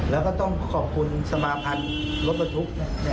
แล้วก็ต้องขอบคุณสมาพันธ์รถบรรทุก